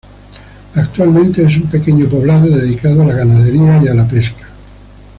Actualmente es un pequeño poblado dedicado a la ganadería y a la pesca.